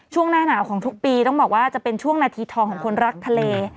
ช่วงหน้าหนาวของทุกปีต้องบอกว่าจะเป็นช่วงนาทีทองของคนรักทะเล